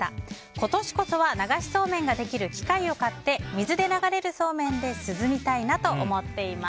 今年こそは流しそうめんができる機械を買って水で流れるそうめんで涼みたいなと思っています。